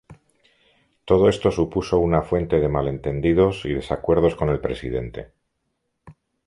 Todo esto supuso una fuente de malentendidos y desacuerdos con el presidente.